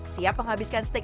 siap menghabiskan steak satu kg